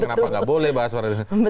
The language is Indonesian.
kenapa gak boleh bahas partai politik